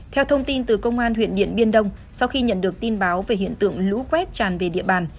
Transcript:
theo thông tin từ công an huyện điện biên đông sau khi nhận được tin báo về hiện tượng lũ quét tràn về địa bàn